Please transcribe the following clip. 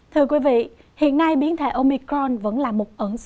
thưa quý vị hiện nay biến thể omicron vẫn là mối quan trọng